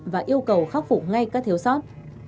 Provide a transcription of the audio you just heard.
và yêu cầu khắc phủ ngay các thiếu sót